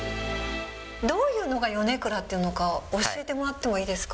どういうのがヨネクラというのか、教えてもらってもいいですか？